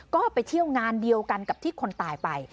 ก็ไปเที่ยวงานเดียวกันกับที่คนตายไป